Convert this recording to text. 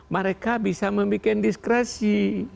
mereka bisa membuat diskresi